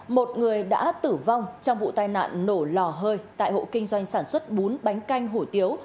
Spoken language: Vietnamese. một người đã tử vong trong vụ tai nạn nổ lò hơi tại hộ kinh doanh sản xuất bún bánh canh hổ tiếu